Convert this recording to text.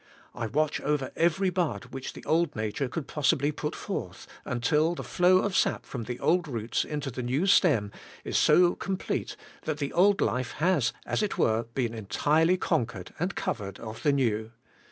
I watch over every bud which the old nature could possibly put forth, until the flow of sap from the old roots into the new stem is so complete, that the old life has, as it were, been entirely con quered and covered of the new.